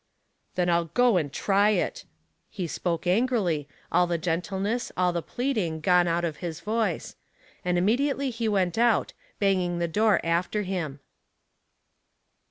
''" Then I'll go and try it." He spoke an grily, all the gentleness, all the pleading, gone A Discussion Closed. 295 out of his voice ; and immediately he went out, banmno the door after him.